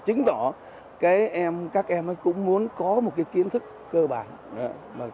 chứng tỏ các em cũng muốn có một kiến thức cơ bản